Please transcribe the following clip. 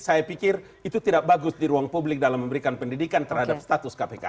saya pikir itu tidak bagus di ruang publik dalam memberikan pendidikan terhadap status kpk